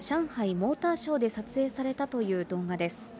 モーターショーで撮影されたという動画です。